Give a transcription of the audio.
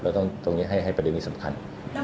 เราต้องตรงนี้ให้เป็นเรื่องนี้สำคัญ